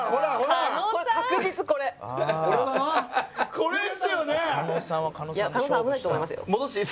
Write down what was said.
これですよね？